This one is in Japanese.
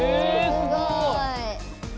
すごい！